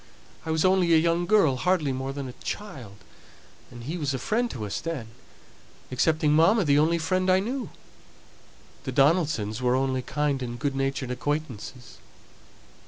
I was only a young girl, hardly more than a child, and he was a friend to us then excepting mamma, the only friend I knew; the Donaldsons were only kind and good natured acquaintances."